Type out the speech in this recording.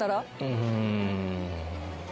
うん。